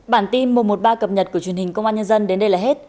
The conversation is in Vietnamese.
bản tin một trăm một mươi ba cập nhật của truyền hình công an nhân dân đến đây là hết